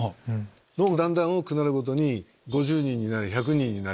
脳がだんだん大きくなるごとに５０人になり１００人になり。